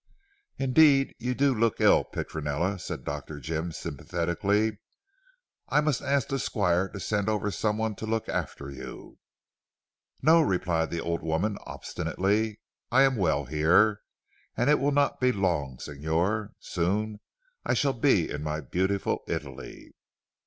"Indeed you do look ill Petronella," said Dr. Jim sympathetically. "I must ask the Squire to send over someone to look after you." "No," replied the old woman obstinately, "I am well here. And it will not be for long signor. Soon shall I be in my beautiful Italy."